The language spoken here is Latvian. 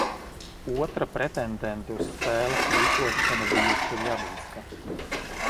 Otra pretendente uz spēles rīkošanu bija Čeļabinska.